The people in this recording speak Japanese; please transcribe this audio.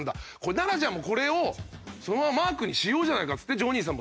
ならじゃあこれをそのままマークにしようじゃないかっつってジョニーさん